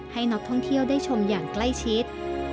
ให้นักท่องเที่ยวได้ชมอย่างใกล้ชิด